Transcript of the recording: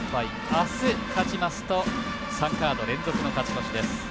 明日、勝ちますと３カード連続の勝ち越しです。